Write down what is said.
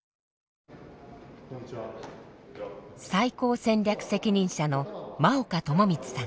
最高戦略責任者の真岡朋光さん。